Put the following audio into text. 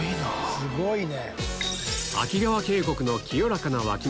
すごいね。